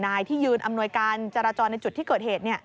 นายที่ยืนอำนวยการจราจรในจุดที่เกิดเหตุ